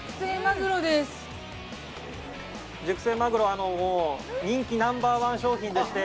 熟成まぐろ人気ナンバーワン商品でして。